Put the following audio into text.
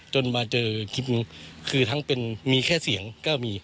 จนมาเจอคลิปนึงคือทั้งเป็นมีแค่เสียงก็มี